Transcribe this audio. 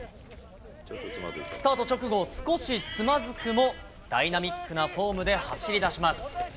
スタート直後、少しつまずくも、ダイナミックなフォームで走りだします。